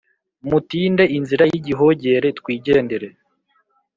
Mutinde inzira y igihogere twigendere